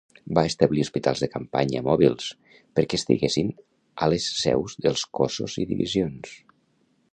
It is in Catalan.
Va establir hospitals de campanya mòbils perquè estiguessin a les seus dels cossos i divisions.